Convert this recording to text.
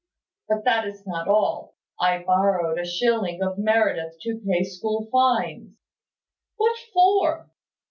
"But that is not all. I borrowed a shilling of Meredith to pay school fines " "What for?"